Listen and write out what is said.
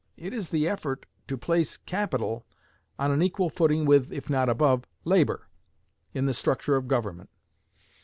It is the effort to place capital on an equal footing with, if not above, labor, in the structure of government.